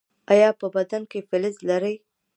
ایا په بدن کې فلز لرئ؟